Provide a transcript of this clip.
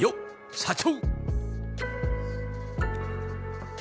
社長！！」。